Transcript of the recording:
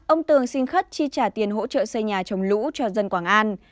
ông tường xin khất chi trả tiền hỗ trợ xây nhà trồng lũ cho dân quảng an